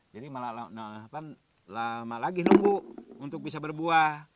jadi malah lama lagi nunggu untuk bisa berbuah